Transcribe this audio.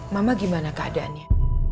mama gimana keadaannya